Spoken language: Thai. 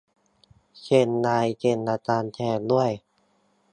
เซ็นลายเซ็นอาจารย์แทนด้วย !